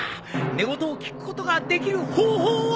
寝言を聞くことができる方法を！